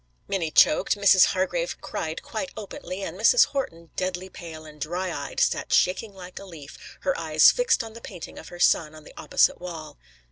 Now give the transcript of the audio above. Minnie choked, Mrs. Hargrave cried quite openly, and Mrs. Horton, deadly pale and dry eyed, sat shaking like a leaf, her eyes fixed on the painting of her son on the opposite wall.